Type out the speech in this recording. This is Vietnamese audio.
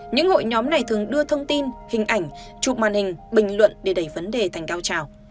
những hội nhóm này thường đưa thông tin hình ảnh chụp màn hình bình luận để đẩy vấn đề thành cao trào